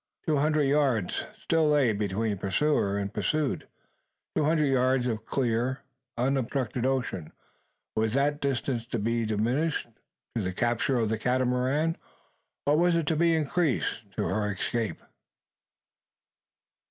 Two hundred yards still lay between pursuer and pursued. Two hundred yards of clear, unobstructed ocean. Was that distance to become diminished, to the capture of the Catamaran; or was it to be increased, to her escape?